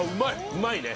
うまいね。